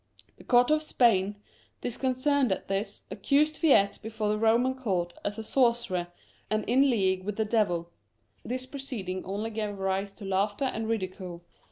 The court of Spain, disconcerted at this, accused Viete before the Roman court as a sorcerer and in league with the devil. This proceeding only gave rise to laughter and ridicule.